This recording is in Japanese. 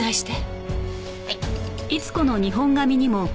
はい。